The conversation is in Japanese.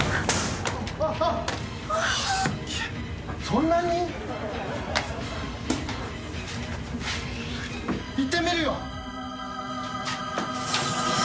そんなに⁉いってみるよ。